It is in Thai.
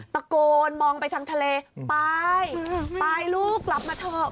ตะโกนมองไปทางทะเลไปลูกกลับมาเถอะ